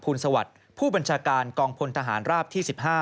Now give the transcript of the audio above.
สวัสดิ์ผู้บัญชาการกองพลทหารราบที่๑๕